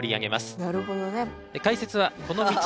解説はこの道